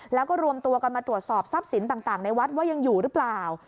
แล้วก็รวมตัวกันมาตรวจสอบทรัพย์สินต่างในวัดว่ายังอยู่หรือเปล่า